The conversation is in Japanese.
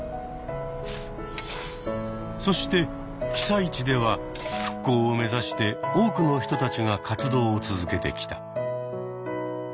そして被災地では「復興」を目指して多くの人たちが活動を続けてきた。